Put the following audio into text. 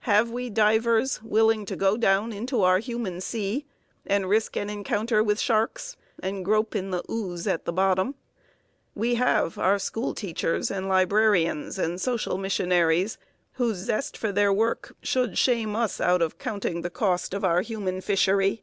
Have we divers willing to go down into our human sea and risk an encounter with sharks and grope in the ooze at the bottom? We have our school teachers and librarians and social missionaries, whose zest for their work should shame us out of counting the cost of our human fishery.